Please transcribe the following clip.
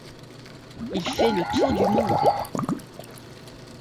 Il fait le tour du monde !